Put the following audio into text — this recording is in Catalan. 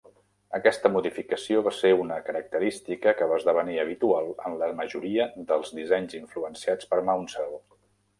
Aquesta modificació va ser una característica que va esdevenir habitual en la majoria dels dissenys influenciats per Maunsell.